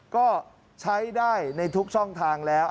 ก็ใช้ได้ในทุกช่องทางแล้ว